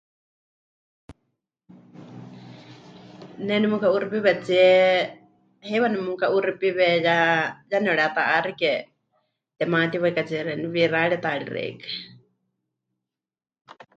Ne nemuka'uuxipiwetsie heiwa nemuka'uuxipiwe ya, ya nemɨreta'axike tematiwaikatsie xeeníu wixáritaari xeikɨ́a.